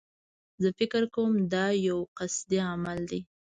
زه فکر کوم دایو قصدي عمل دی.